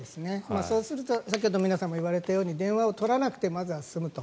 そうすると先ほど皆さんも言われたように電話を取らなくてまずは済むと。